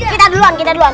kita duluan kita duluan